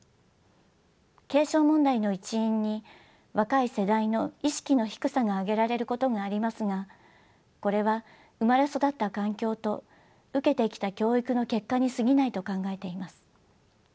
継承問題の一因に若い世代の意識の低さが挙げられることがありますがこれは生まれ育った環境と受けてきた教育の結果にすぎないと考えています。